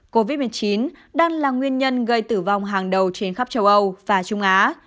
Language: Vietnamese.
covid một mươi chín đang là nguyên nhân gây tử vong hàng đầu trên khắp châu âu và trung á